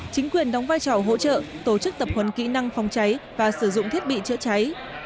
chính quyền đóng vai trò hỗ trợ tổ chức tập huấn kỹ năng phòng cháy và sử dụng thiết bị chữa cháy